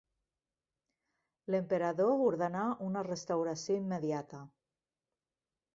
L'emperador ordenà una restauració immediata.